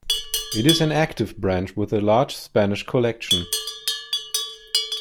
It is an active branch, with a large Spanish collection.